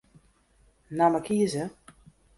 Namme kieze.